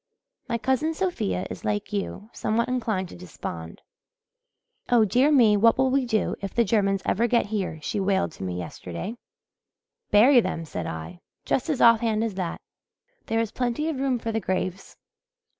My cousin Sophia is, like you, somewhat inclined to despond. 'Oh, dear me, what will we do if the Germans ever get here,' she wailed to me yesterday. 'Bury them,' said I, just as off hand as that. 'There is plenty of room for the graves.'